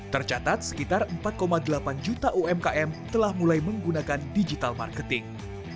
tercatat sekitar empat delapan juta umkm telah mulai menggunakan digital marketing